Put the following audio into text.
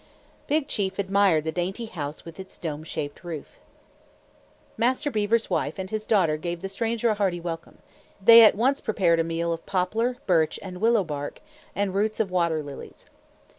Big Chief admired the dainty house with its dome shaped roof. Master Beaver's wife and his daughter gave the stranger a hearty welcome. They at once prepared a meal of poplar, birch and willow bark, and roots of water lilies.